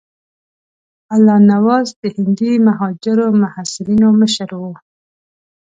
الله نواز د هندي مهاجرو محصلینو مشر وو.